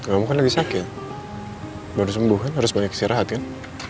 kamu kan lagi sakit baru sembuhin harus banyak sih rahat kan